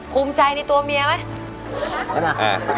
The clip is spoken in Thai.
คุ้มนใจในตัวเมียไหม